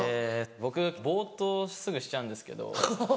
僕ぼっとすぐしちゃうんですけど。